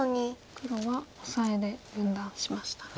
黒はオサエで分断しましたね。